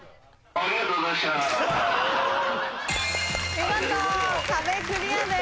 ありがとうございます。